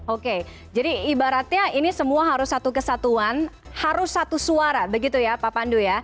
oke jadi ibaratnya ini semua harus satu kesatuan harus satu suara begitu ya pak pandu ya